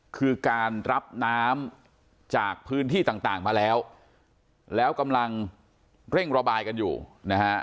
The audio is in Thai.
คือการรับน้ำจากพื้นที่ต่างมาแล้วแล้วกำลังเร่งระบายกันอยู่นะฮะ